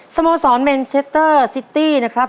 สโมสรเมนเชสเตอร์ซิตี้นะครับ